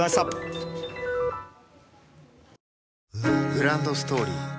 グランドストーリー